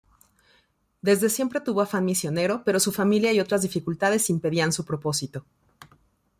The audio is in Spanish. Desde siempre tuvo afán misionero, pero su familia y otras dificultades impedían su propósito.